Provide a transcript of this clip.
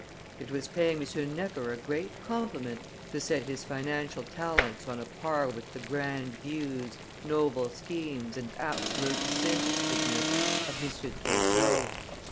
It was paying M. Necker a great compliment to set his financial talents on a par with the grand views, noble schemes, and absolute disinterestedness of M. Turgot.